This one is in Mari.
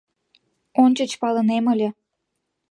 — Ончыч палынем ыле...